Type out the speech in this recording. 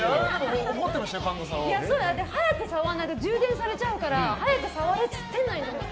早く触らないと充電されちゃうから早く触れっつってんのにと思って。